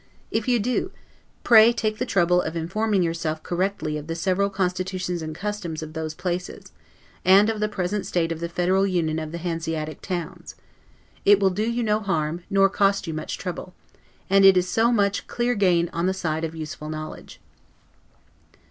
If you do, pray take the trouble of informing yourself correctly of the several constitutions and customs of those places, and of the present state of the federal union of the Hanseatic towns: it will do you no harm, nor cost you much trouble; and it is so much clear gain on the side of useful knowledge.